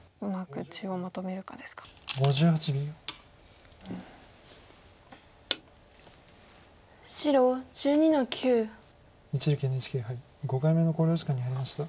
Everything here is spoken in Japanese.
一力ＮＨＫ杯５回目の考慮時間に入りました。